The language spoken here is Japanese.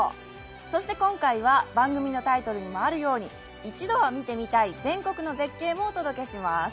そして今回は番組のタイトルにもあるように、一度は見てみたい全国の絶景もお届けします。